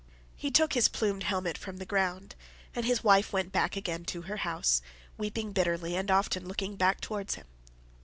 He took his plumed helmet from the ground, and his wife went back again to her house, weeping bitterly and often looking back towards him.